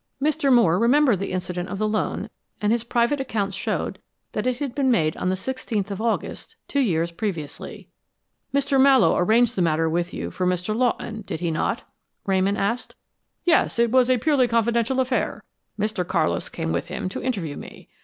Mr. Moore remembered the incident of the loan, and his private accounts showed that it had been made on the sixteenth of August two years previously. "Mr. Mallowe arranged the matter with you for Mr. Lawton, did he not?" Ramon asked. "Yes, it was a purely confidential affair. Mr. Carlis came with him to interview me.